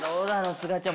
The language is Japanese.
すがちゃん。